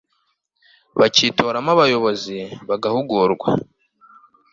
bakitoramo abayobozi, bagahugurwa